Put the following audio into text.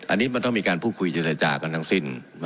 อันนี้มันต้องมีการพูดคุยเจรจากันทั้งสิ้น